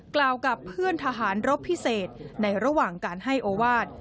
กล่าวกับเพื่อนทหารรบพิเศษในระหว่างการให้โอวาส